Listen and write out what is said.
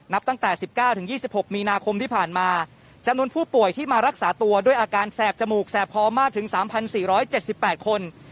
นับตั้งแต่๑๙๒๖มีนาคมที่ผ่านมาจำนวนผู้ป่วยที่มารักษาตัวด้วยอาการแสบจมูกแสบคอมากถึง๓๔๗๘คน